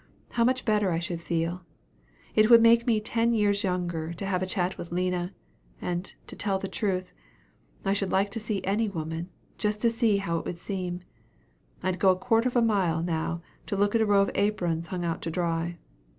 how much better I should feel! It would make me ten years younger, to have a chat with Lina; and, to tell the truth, I should like to see any woman, just to see how it would seem. I'd go a quarter of a mile, now, to look at a row of aprons hung out to dry.